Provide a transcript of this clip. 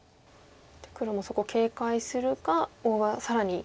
黒もそこ警戒するか大場更に。